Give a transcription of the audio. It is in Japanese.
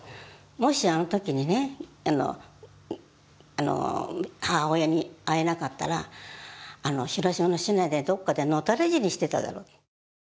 もしあのときにね、母親に会えなかったら広島市内のどこかでのたれ死にしていただろうと。